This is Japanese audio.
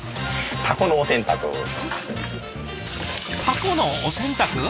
タコのお洗濯？